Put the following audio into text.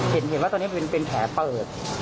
เห็นว่าตอนนี้เป็นแผลเปิด